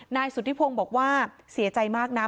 นายสุธิพงศ์บอกว่าเสียใจมากนะ